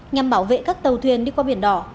nhằm bảo vệ các tàu thuyền đi qua biển đỏ